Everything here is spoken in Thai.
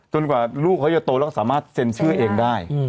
กว่าลูกเขาจะโตแล้วก็สามารถเซ็นชื่อเองได้